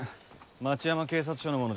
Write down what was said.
町山警察署の者です。